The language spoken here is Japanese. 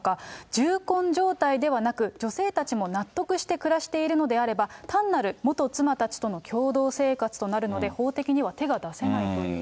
重婚状態ではなく、女性たちも納得して暮らしているのであれば、単なる元妻たちとの共同生活となるので、法的には手が出せないということです。